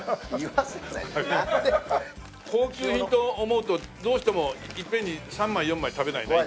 高級品と思うとどうしてもいっぺんに３枚４枚食べないね。